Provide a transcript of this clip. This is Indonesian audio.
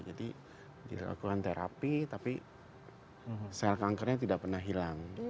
jadi dilakukan terapi tapi sel kankernya tidak pernah hilang